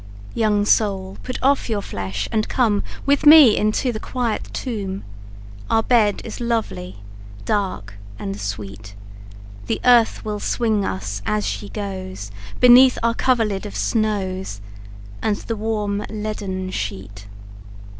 II. Young soul put off your flesh, and come With me into the quiet tomb, Our bed is lovely, dark, and sweet; The earth will swing us, as she goes, Beneath our coverlid of snows, And the warm leaden sheet.